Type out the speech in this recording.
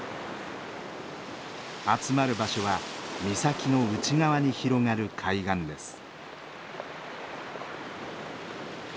集まる場所は岬の内側に広がる海岸です。